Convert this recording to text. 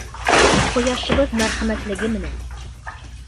— Ҡояшыбыҙ мәрхәмәтлелеге менән!